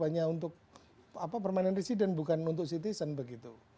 hanya untuk permainan resident bukan untuk citizen begitu